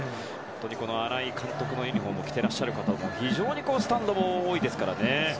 この新井監督のユニホームを着ていらっしゃる方も非常にスタンドに多いですね。